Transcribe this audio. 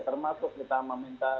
termasuk kita meminta